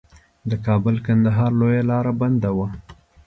د کابل کندهار لویه لار بنده وه.